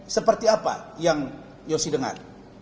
seperti apa yang yosi dengar